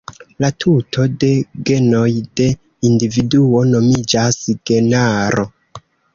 La tuto de genoj de individuo nomiĝas genaro.